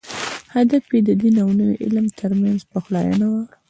هدف یې د دین او نوي علم تر منځ پخلاینه وه.